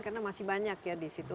karena masih banyak ya di situ